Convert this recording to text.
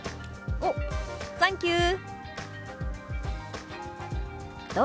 「おサンキュー」。